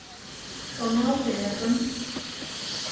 — Шоналте, эргым.